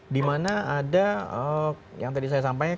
di mana ada yang tadi saya sampaikan